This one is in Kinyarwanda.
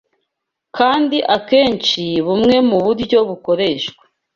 Kandi akenshi bumwe mu buryo bukoreshwa